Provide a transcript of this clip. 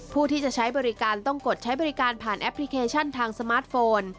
ผู้ที่จะใช้บริการต้องกดใช้บริการผ่านแอปพลิเคชันทางสมาร์ทโฟน